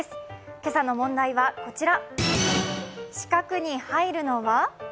今朝の問題はこちら。